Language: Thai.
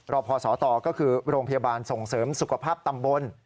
พศตก็คือโรงพยาบาลส่งเสริมสุขภาพตำบล